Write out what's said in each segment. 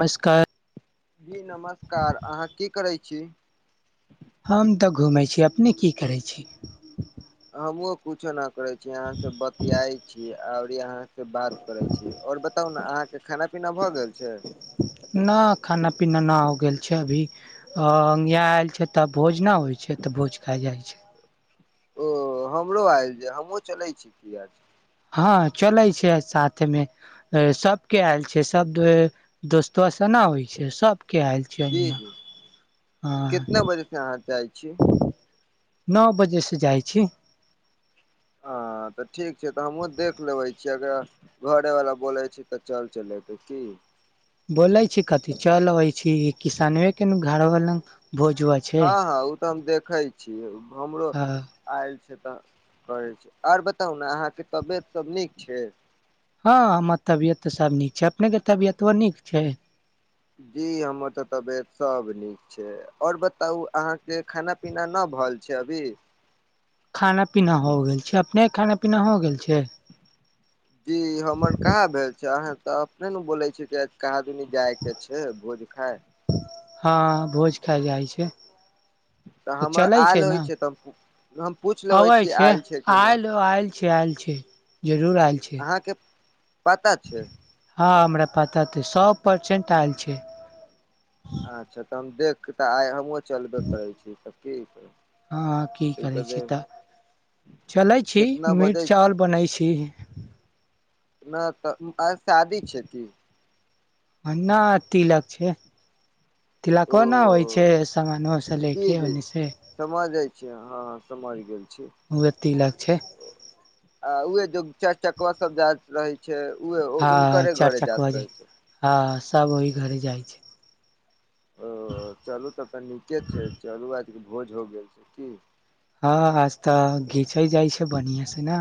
नमस्कार जी नमस्कार अहाँ की करै छी हम तऽ घूमै छी अपने की करै छी हम ओ किुछ ने करै छी यहाँ से बतियाई छी आओर यहाँ से बात करे छी आओर बताउ ने अहाँके खाना पी ना भऽ गेल छै नहि खाना पीना नहि हो गेल छै अभी इह आयल छै तऽ भोजना होइ छै तऽ भोज खा जाइ छै ह ओ हमरो आयल जे हमहहुँ चलै छी क आज चले छै साथ मे सबके आयल छै सब दोस्तो केना होइ छै सभके आयल जी छियैहाँ जी कितना बजेसँ अहाँ जाइ छी नओ बजेसँ जाइ छी आ हँ तऽ ठीक छै तऽ हमहूँ देख लेबै छियै अगर घरेवला बोलै छी तऽ चल चल चले छी की बोलै छी कथि चल अबै छी किसाने के घरवाल न हँ हँ ओ तऽ हम देखै छीय हमरो आय से तऽ करै छी आर बताउ ने अहाँके तबियत सब नीक छै हँ हमर तबियत तऽ सब नीक छै अपने के तबियतो नीक छै जी हमर तऽ तबियत सब नीक छै और बताउ अहाँके खाना पीना न भल छै अभी खाना पीना हो गेल छै अपने खाना पीना हो गेल छै जी हमर कहाँ भेल छै अहं त अपने ने बोले छी नी जाइके छै भोज खाय हँ भोज खााय जाइ छै तऽ हमर आयल होइ छै तऽ हम पूछ लेबे अबै छी छै आयल कि न आयल आयल छै आयल छै जरूर आयल छै अहाँके पता छै हँ हमरा पता तऽ सब परसेंट आयल छै अच्छा तऽ हम देख कऽ तऽ आइ हमहूँ चलबे करै छी तब की हँ की करै ताहिके छी देर तऽ चलै छी कितना मीट बजै छै चावल बनै छी नहि तऽ शादी छै कि न तिलक छै ओ तिलको ने होइ छै सामानोसँ जी लेके जी ओन्ने से समझै हँ ह सम्हारि गेल उहे तिलक छै आ उह द चारि चाक्बा सब जा रहै छै ह हँ हुनकरे चार घरे चकवा जाइत जे रहै छै हँ सब ओहि घरे जाइ छै ओ चलू तऽ तऽ नीके छै चलू आजके भोज हो गेल छै की हँ आज तऽ घीचै जाइ छै बढ़आँ से ने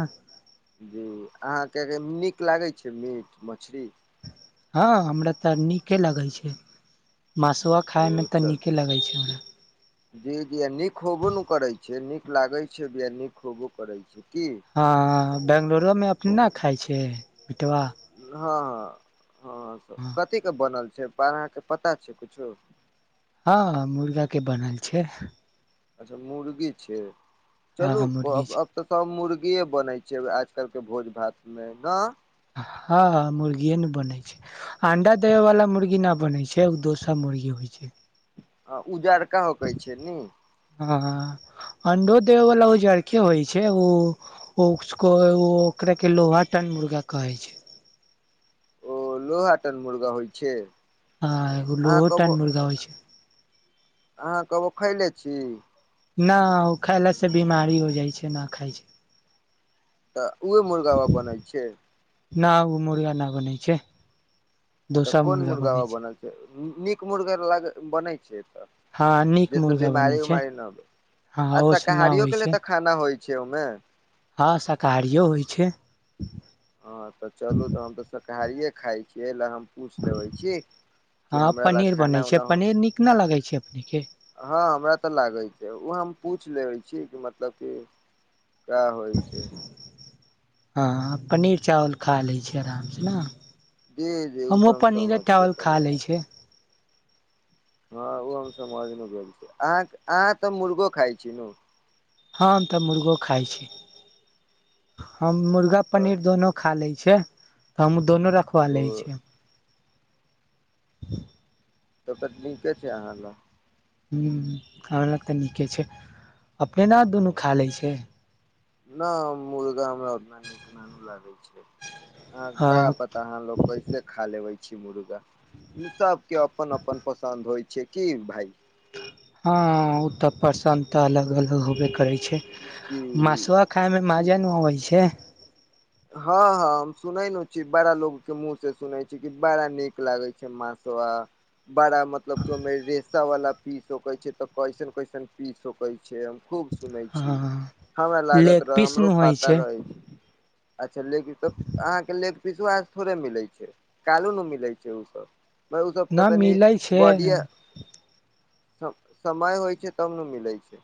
जी अहाँके नीक लागै छै मीट मछरी हँ हमरा तऽ नीके लगै छै मसुआ खाायमे ओ तऽ चल नीके लगै छै हमरा जी जी नीक होबो ने करैत छै नीक लागैत छै भी नीक होबो करैत छै की हँ बंगलोरोमे अपने खाइत छियैक हँ हँ हँ कथी केँ बनल छैक पर अहाँके पता छैक किछो हँ मुर्गा केंँ बनल छै अच्छा मुर्गी छै चलू हँ मुर्गी अब छै तऽ सब मुर्गिेए बनैत छै आजकल केँ भोज भात मे नहि हँ मुर्गीए ने बने छैक आंडा देय वाला मुर्गी नहि बनैत छैक दोसर छै आ उजड़का कहैत छै न हँ अंडो देबय वाला उजरकेँ होइत छैक ओ उको ओकरा केँ लोहा टन मुर्गा कहै छै ओ लोहाटन मुर्गा होइत छै हँ अहाँ लोहो न कबो मुर्गा होइ छै अहाँ खैले छी न ओ खायलासँ बीमारी हो जाइत छैक न खाइ छि तऽ उहे मुर्गाामे बनैत छै न ओ मुर्गा न बनैत छै तऽ कोन मुर्गा ब बनल छै नीक मुर्गा लाग बनैत छै हँ नीक जैसे मुर्गा बनै बीमारी छै उमारी नहिै हँ आ ओ से ना शाकाहारियो होइ केँ ल लेल छै तऽ खाना होइत छैक छै ओमे हँ शाकाहारियो होइत छै हँ तऽ चलू तऽ हम तऽ शाकाहारिए खाइत छियैक लए हम पूछि लेबय कि हँ हमरा लए खाना उना च अपनेीक [unintelligible] हँ हमरा तऽ लागैत छै ओ हम पूछि लेबय छी कि मतलब कि कएए होइ छै [unintelligible] हँ पनीर चावल खा लैत छि आरामसँ नहि जी जि उ त हम समझबेे खा करैत लै छी छै हँ ओ हम समझमे भेल छी अह अहाँ तऽ मुर्गो खाइत छी ने ह हम तऽ मुर्गो खाय छी हम मुर्गा तऽ पनीर दोनो खा लैत छी छै तऽ हमू दोनो रखवा ओ लैत छि ल [inaudible] तऽकछ न के छै अहाँ लो [unintelligible] ह्म खाना तऽ नीके छै अपने ने दुनू खा लैत छियैक न मुर्गा उतना निक न लगैत छै हँ का पता लोग कैसे खा लेबय छै मुर्गा सबकेँ अपन अपन पसन्द होइत छै की भााय हँ ओ तऽ प्रसन तऽ अलग अलग होबय करैत छै जी मसुआ खायमे मजा न अबैत छै हँ हँ हम सुनै न छी बड़ा लोग कें मुंह से सुने छी कि बड़ा नीक लागे छै मास तो [inaudible] बड़ा मतलब कि ओमे रेसा वाला पीस सक छै तऽ कैसन कैसन पीस सक छै खूब सुनैत छी हँ हमरा लेग लागत रहय पीस न हमरो होइ पात रहय छै अच्छा लेग तऽ अहाँके लेग पिसो आज थोड़े मिलैत छैक कालो नहि मिलैत छै ओसभ म उ सोप न त तनी मिलै छै बॉड य [unintelligible] समय होइत छैक त ने मिलैत छै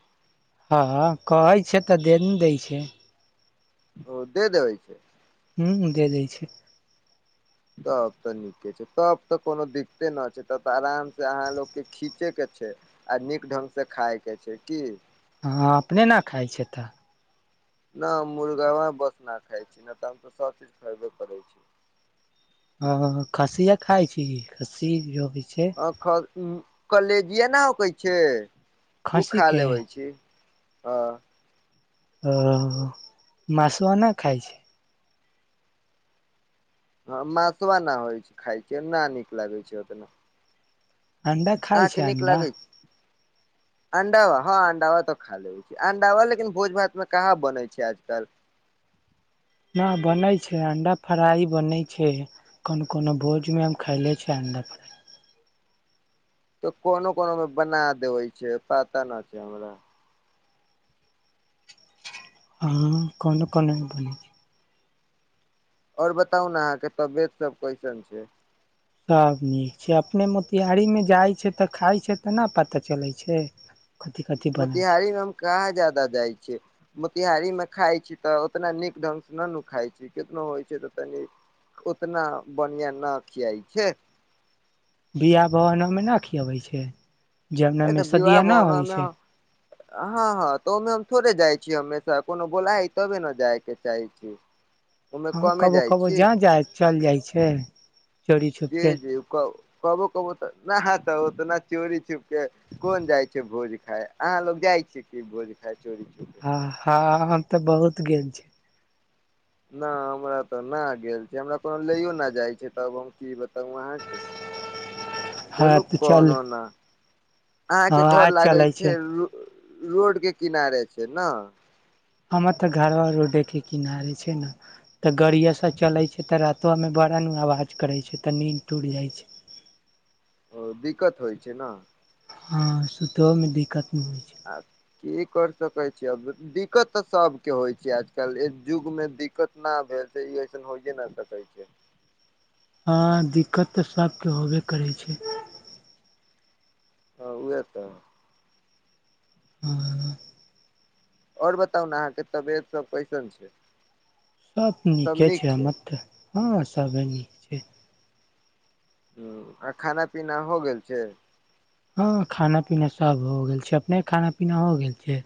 हँ कहैत छै तऽ दे न दैत छै ओ दे देबय छै ह द दइ छै [inaudible] तब तऽ नीके छै तब तऽ कोनो दिक्कते न छै तब तऽ आराम से अहाँ लोकोग के खींचे के छै आ नीक ढंगग से खाायके छै की हँ अपने ने खाइत छ तऽ नहि हम मुर्गावा बस नहि खाइ छी नहि तऽ हम तऽ सभचीज खयबे करै छी ह खस्सीेया खाइ छी खस्सी छै आ कलेजए ने होकै छै ओ खा खस्सीके लेबै छी हँ ओ मसुआ नहि खाय छै हँ मसुआ नहि होइ छै खाइ छै नहि नीक लगै छै ओतना अंडा खाइ अहाँके छै नीक अंडा लागै छै अंडावा हँ अंडावा तऽ खा ले छै अंडावा लेकिन भोज भातमे कहाँ बनै छै आजकल त न बनय छै अंडा फ्राइ बनै छै कोनो कोनो भोजमे हम खायले छिय अड तऽ कोनो कोनो मे बना देबै छै पता नहि छै हमरा हँ कोनो कोनो बनै आओर बताउ ने अहाँके तबियत सब कैसन छै सब नीक छै अपने मोतिहारीमे जाइ छै तऽ खाइ छै तऽ नहि पता चलै छै कथि कथि बनल छै मोतिहारी मे हम कहाँ ज्यादा जाइ छियै तिहारी मे खाय छी तऽ उतना नीक ढंगग से न ने खाइ छी कितनो होइ छै तऽ तनी उतना बढ़आ न खियाइ छै बिवाह भवनमे नहि खियाबै छै ए जौनामे तऽ विव सदिया न होइ भवनमे छै हँ हँ त अमे छोड़े जाइ छी हमेशा कोनो बोला हइ तबे ने जाय के चाहे छी ओहिमे हँ कमे कबो जाइ कबो छी जहाँ जा चलि जाइ छै चोरी छुप जी के जी कह कहबो कबो तऽ न हा त उतना चोरी छुप के कोन जाय छै भोज खाय अहा लोग जाय ी भोज खाय चोरी छुप के ह हँ हम तऽ बहुत गेल छी नहि हमरा तऽ नहि गेल छै हमरा कोनो लैयो न जाइ छै तब हम की ब तब वहाँके हँ तऽ चल हँ आज चलै छै [inaudible] रोड के किनारे छै ने हमर तऽ घरा रोडे के किनारे छै ने तऽ गाड़िया से चले छै तऽ रातो मे करण आवाज करै छै तऽ नींन्द टुटि जाइ छै ओ दिक्कत होइ छै ने हँ सुतोमे दिककत आ की कर सकै छीय दिक्कत तऽ सबके होइ छै आजकल युग मे दिक्कत न भेल छैस हो न कह छै हँ दिक्कत तऽ सभके होबे करै छै ह उएह तऽ हँ आओर बताउ ने अहाँके तबियत सब कैसन छै सब नीके छै हमर तऽ हँ सब नीक छै ह आ खाना पीना हो गेल छै हँ खाना पीना सब हो गेल छै अपने खाना पीना हो गेल छै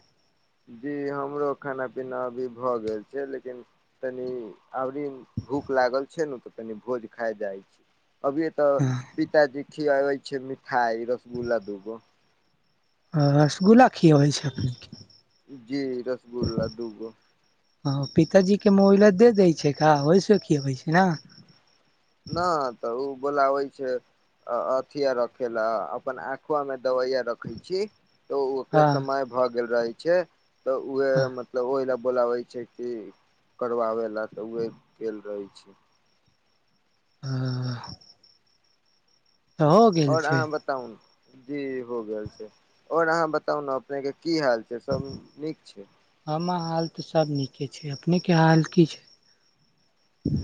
जी हमरो खाना पीना अभी भऽ गेल छै लेकिन तनि अबरी भूख लागल छै ने तऽ कनि भोज खाय जाइ छै अभिय तऽ हँ पिताजी खियाबे छै मिठाई रसगुल्ला दूगो आ रसगुल्ला खिय होइ छै अपने क जी रसगुल्ला दूगो हँ पिताजी के मोबाइला दे दै छै खा ओहिसँ खियबै छै न न तऽ ओ बोलाबै छै अथिया रखे लि अपन आँखवा मे दवैया रखै छी तऽ ओकरे हँ समय भऽ गेल रहै छै तऽ उएह मतलब ओहि ल बोलाबै छै कि करबाबै लऽ तऽ उहे गेल रहै छै हँ तऽ हो गेल आओर छै अहाँ बताउ न जी हो गेल छै और अहाँ बताउ ने अपने के की हाल छै सब नीक छै हमर हाल तऽ सब नीके छै अपने के हाल की छै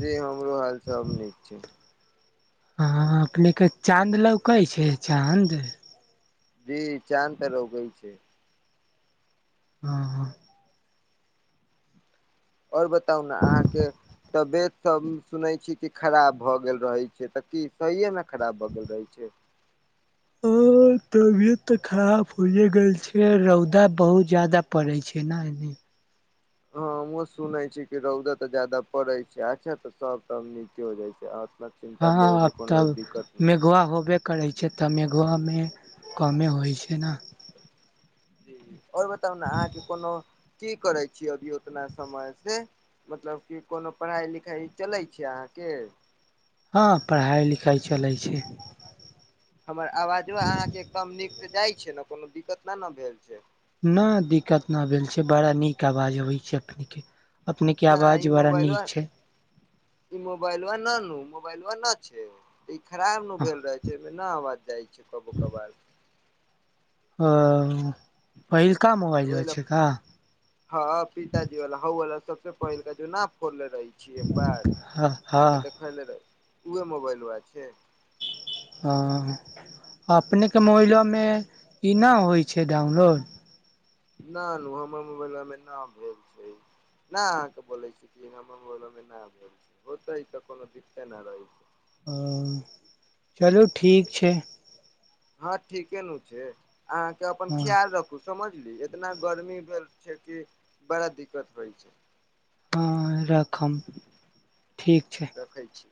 जी हमरो हाल सब नीक छै हँ अपने के चाँद लौकै छै चाँद जी चान तऽ लौकै छै हँ हँ आओर बताउ न अहाँके तबियत सब सुनैत छी कि खराब भऽ गेल रहैत छै तऽ की सहिये मे खराब भऽ गेल रहै छै ओ तबियत तऽ खराब होए गेल छै रौदा बहुत जादा पड़ै छै ने हँ हमहुँ सुनै छी कि रौदा तऽ जादा पड़ै छै अच्छा तऽ सभ तब नीके होइ छै अहाँ हँ आज कल मेघवा होबे करै छै तऽ मेघ गमे कमे होइ छै ने जी आओर बताउ ने अहाँके कोनो की करै छिये अभी ओतना समय से मतलब कि कोनो पढ़ाइ लिखाइ चलै छै अहाँके हँ पढ़ाइ लिखाइ चलै छै हमर आवाजो अहाँके एकदम नीकसँ जाइ छै ने कोनो दिक्कत न न भेल छै नहि दिक्कत न भेल छै बड़ा नीक आवाज अबै छै अपने के अपने के नहि ई आवाज बड़ा नीक मोबाइलबा छै ई मोबाइलबा न नू मोबाइलबा न अच्छा ई खराब ने भेल रहै छै एहिमे नहि आवाज जाइ छै कबो कभार ओ पहिलका ओहि मोबाइलबा ल छै का हँ पिताजी वला हौवला सबसँ पहिलका जो न फोरले रहै छिय एक बार हँ हँ अहाँके देखैले रहि उएह मोबाइलबा छै हँ अपनेके मोबाइलबामे ई नहि होइ छै डाउनलोड न न हमर मोबाइलमे न भेल छै न अहाँके बोलै छी बात कोनो दिक्ते न रहै छै [inaudible] हँ चलू ठीक छै हँ ठीके न छै अहाँके अपन हँ ख्याल रखू समझली इतना गर्मी भेल छै कि बड़ा दिक्कत होइ छै हँ रखम ठीक छै रखै छी